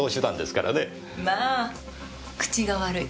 まあ口が悪い。